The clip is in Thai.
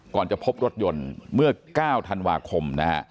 ก่อนจะพบรถยนต์เมื่อ๙ธันวาคม